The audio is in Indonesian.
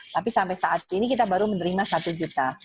tapi sampai saat ini kita baru menerima satu juta